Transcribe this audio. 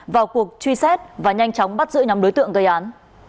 vào cuộc truy xét và nhanh chóng bắt giữ nhóm đối tượng gây án